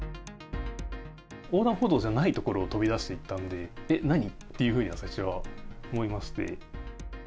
横断歩道じゃない所を飛び出していったんで、えっ、何？っていうふうには、最初思いまして。